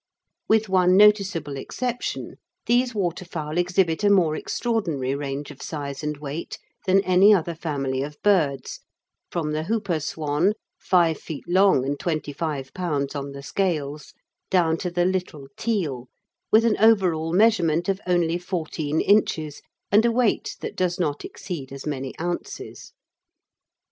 With one noticeable exception, these waterfowl exhibit a more extraordinary range of size and weight than any other family of birds, from the whooper swan, five feet long and twenty five pounds on the scales, down to the little teal, with an overall measurement of only fourteen inches and a weight that does not exceed as many ounces.